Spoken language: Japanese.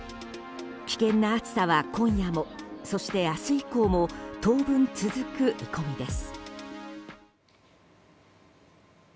危険な暑さは今夜もそして明日以降も当分続く見込みです。